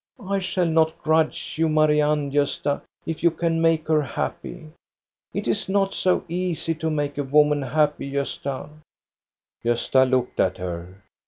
I shall not grudge you Marianne, Gosta, if you can make her happy. It is not so easy to make a woman happy, Gosta." Gosta looked at her.